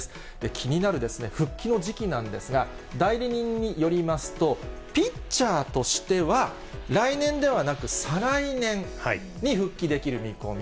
気になる復帰の時期なんですが、代理人によりますと、ピッチャーとしては来年ではなく、再来年に復帰できる見込み。